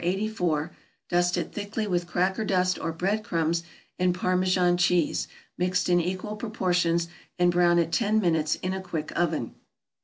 84, dust it thickly with cracker dust, or bread crumbs, and Parmesan cheese, mixed in equal proportions, and brown it ten minutes in a quick oven.